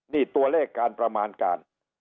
นี่ตัวเลขการประมาณการ